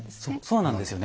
そうなんですよね。